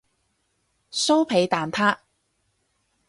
酥皮蛋撻